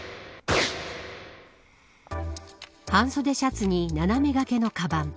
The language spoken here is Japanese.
半袖シャツに斜めがけのかばん。